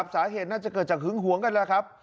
สาเหตุน่าจะเกิดจากหึงหวงกันแหละครับ